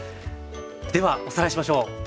ではおさらいしましょう。